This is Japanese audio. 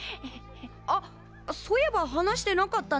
あっそういえば話してなかったね。